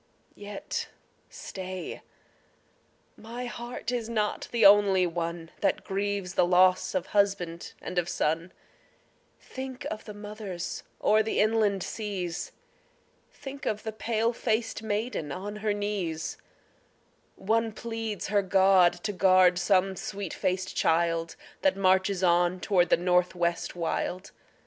Yet stay, my heart is not the only one That grieves the loss of husband and of son; Think of the mothers o'er the inland seas; Think of the pale faced maiden on her knees; One pleads her God to guard some sweet faced child That marches on toward the North West wild.